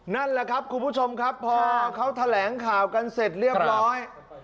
นั่นแหละครับคุณผู้ชมครับพอเขาแถลงข่าวกันเสร็จเรียบร้อย